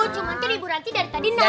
cuma itu ibu ranti dari tadi nanya